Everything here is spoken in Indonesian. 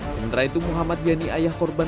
sementara itu muhammad yani ayah korban